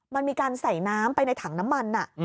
มันมีการใส่น้ำไปในถังน้ำมัน